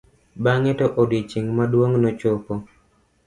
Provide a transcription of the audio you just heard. bange to odiochieng' maduong nochopo